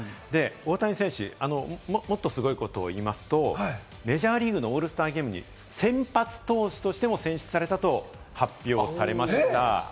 大谷選手、もっとすごいこと言いますと、メジャーリーグのオールスターゲームに先発投手としても選出されたと発表されました。